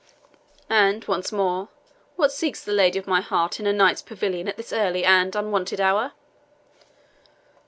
"And, once more, what seeks the lady of my heart in her knight's pavilion at this early and unwonted hour?"